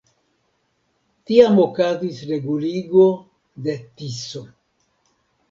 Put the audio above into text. Tiam okazis reguligo de Tiso.